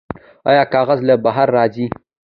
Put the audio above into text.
آیا کاغذ له بهر راځي؟